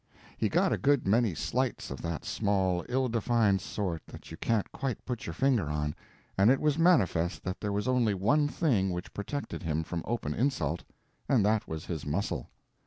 He got a good many slights of that small ill defined sort that you can't quite put your finger on, and it was manifest that there was only one thing which protected him from open insult, and that was his muscle.